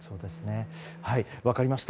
分かりました。